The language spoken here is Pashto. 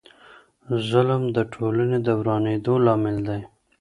ظلم د ټولني د ورانیدو لامل دی.